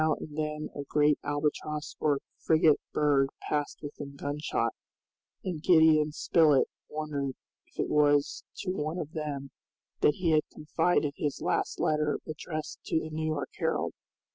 Now and then a great albatross or frigate bird passed within gunshot, and Gideon Spilett wondered if it was to one of them that he had confided his last letter addressed to the New York Herald.